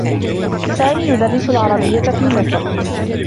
سامي يدرّس العربيّة في مصر.